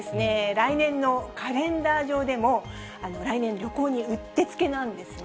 来年のカレンダー上でも、来年、旅行に打ってつけなんですね。